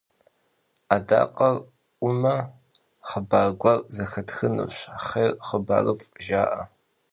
Адакъэр ӏуэмэ, хъыбар гуэр зэхэтхынущ, «хъер, хъыбарыфӏ» жаӏэ.